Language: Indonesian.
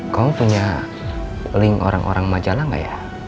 kamu punya link orang orang majalah nggak ya